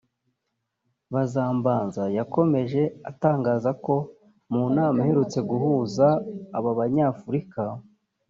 Bazambanza yakomeje atangaza ko mu nama iherutse guhuza aba banyafurika